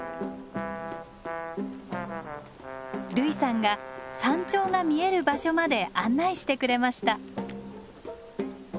類さんが山頂が見える場所まで案内してくれました。